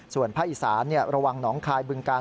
ส่วนภาคอีสานระวังหนองคายบึงกาล